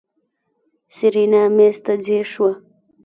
سېرېنا مېز ته ځير شوه.